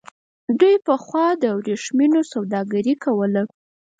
دوی پخوا د ورېښمو سوداګري کوله.